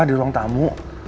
di ruang tamu